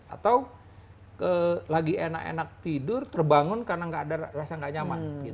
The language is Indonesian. atau lagi enak enak tidur terbangun karena nggak ada rasa gak nyaman